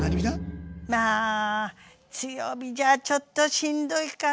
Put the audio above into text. まあ強火じゃちょっとしんどいかな。